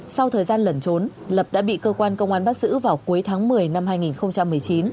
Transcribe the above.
sau thời gian lẩn trốn lập đã bị cơ quan công an bắt giữ vào cuối tháng một mươi năm hai nghìn một mươi chín